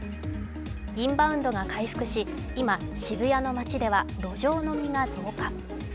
インバウンドが回復し、今渋谷の街では路上飲みが増加。